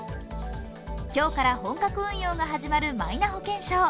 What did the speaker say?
今日から本格運用が始まるマイナ保険証。